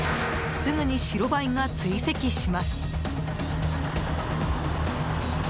すぐに白バイが追跡します。